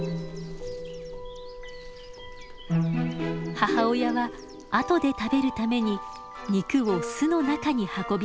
母親は後で食べるために肉を巣の中に運びます。